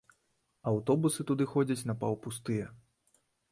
Аўтобусы туды ходзяць напаўпустыя.